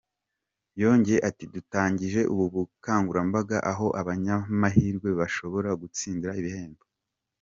Yongeye ati “Dutangije ubu bukangurambaga aho abanyamahirwe bashobora gutsindira ibihembo.